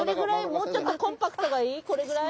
もうちょっとコンパクトがいい？